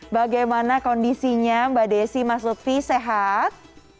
bagaimana kondisinya mbak desi mas lutfi sehat